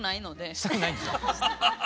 したくないんですか。